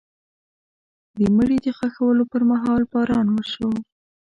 د مړي د ښخولو پر مهال باران وشو.